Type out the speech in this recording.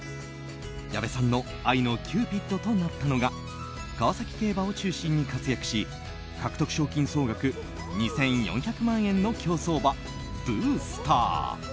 矢部さんの愛のキューピッドとなったのが川崎競馬を中心に活躍し獲得賞金総額２４００万円の競走馬ブースター。